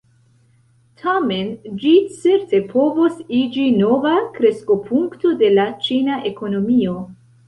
Tamen, ĝi certe povos iĝi nova kreskopunkto de la ĉina ekonomio.